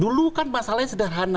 dulu kan masalahnya sederhana